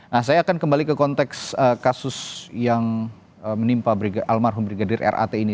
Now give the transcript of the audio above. nah saya akan kembali ke konteks kasus yang menimpa almarhum brigadir rat ini